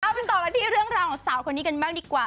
เอาเป็นต่อมาที่เรื่องราวของสาวคนนี้กันแม่งดีกว่า